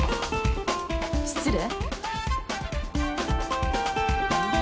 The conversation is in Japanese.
失礼。